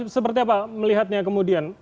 seperti apa melihatnya kemudian